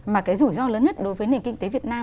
mà cái rủi ro lớn nhất đối với nền kinh tế việt nam